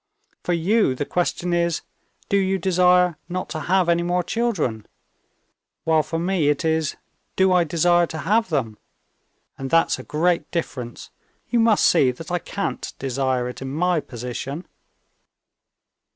For you the question is: do you desire not to have any more children; while for me it is: do I desire to have them? And that's a great difference. You must see that I can't desire it in my position."